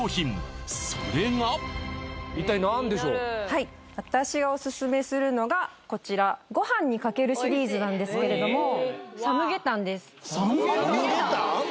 はい私がオススメするのがこちらごはんにかけるシリーズなんですけれどもサムゲタンですサムゲタン？